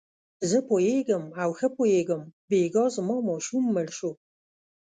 زه پوهېږم او ښه پوهېږم، بېګا زما ماشوم مړ شو.